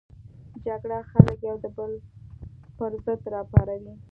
جګړه خلک یو د بل پر ضد راپاروي